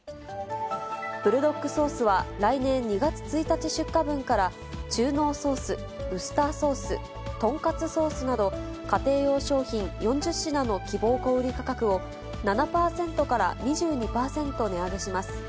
ブルドックソースは、来年２月１日出荷分から、中濃ソース、ウスターソース、とんかつソースなど、家庭用商品４０品の希望小売り価格を、７％から２２％値上げします。